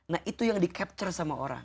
nah itu yang di capture sama orang